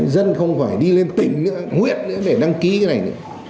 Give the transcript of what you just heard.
dân không phải đi lên tỉnh nguyện để đăng ký cái này nữa